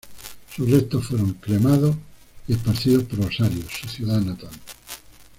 Sus restos fueron cremados y esparcidos por Rosario, su ciudad natal.